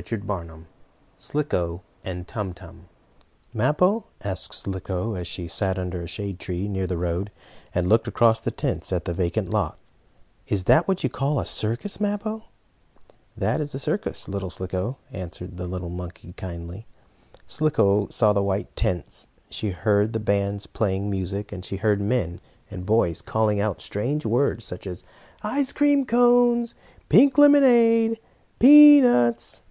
CHAPTER V SLICKO AND TUM TUM "Mappo," asked Slicko, as she sat under the shade of a tree, near the road, and looked across at the tents in the vacant lot, "is that what you call a circus, Mappo?" "That is a circus, little Slicko," answered the monkey, kindly. Slicko saw the white tents, she heard the bands playing music, she heard men and boys calling out strange words, such as "ice cream cones!" "pink lemonade!" and "peanuts!"